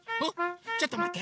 ちょっとまって！